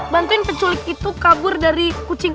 bantuin penculik itu kabur dari kucing